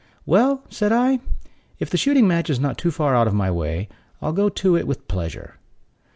"Well," said I, "if the shooting match is not too far out of my way, I'll go to it with pleasure."